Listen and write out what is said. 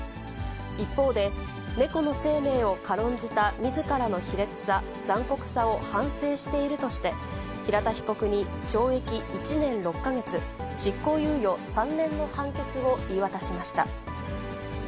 一方で、猫の生命を軽んじたみずからの卑劣さ、残酷さを反省しているとして、平田被告に懲役１年６か月執行猶予３年の判決を言い渡しました。